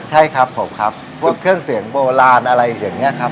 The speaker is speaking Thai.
ใช่ครับผมครับพวกเครื่องเสียงโบราณอะไรอย่างนี้ครับ